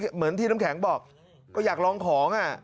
เหมือนที่น้ำแข็งบอกก็อยากลองของ